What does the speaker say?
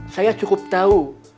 saya cukup tahu